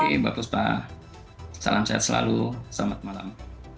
oke bagus pak salam sehat selalu selamat malam